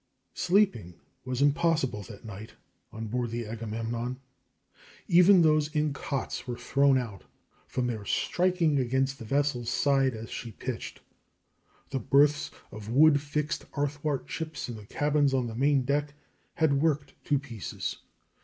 Sleeping was impossible that night on board the Agamemnon. Even those in cots were thrown out, from their striking against the vessel's side as she pitched. The berths of wood fixed athwartships in the cabins on the main deck had worked to pieces.